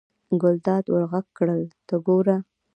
ګلداد ور غږ کړل: ته ګوره.